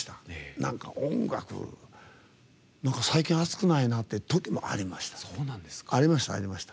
なんか、音楽なんか最近熱くないなってときもありました。